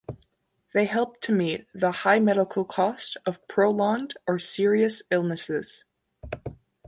They help to meet the high medical costs of prolonged or serious illnesses.